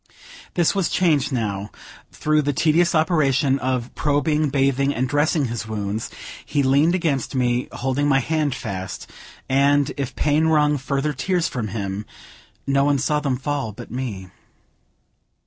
This was changed now; and, through the tedious operation of probing, bathing, and dressing his wounds, he leaned against me, holding my hand fast, and, if pain wrung further tears from him, no one saw them fall but me.